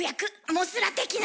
モスラ的な。